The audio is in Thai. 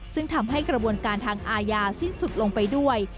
ซึ่งทำให้กระบวนการทางอาญาสิ้นสุดลงไปด้วย